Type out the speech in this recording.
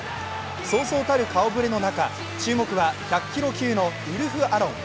そうそうたる顔ぶれの中、注目は１００キロ級のウルフ・アロン。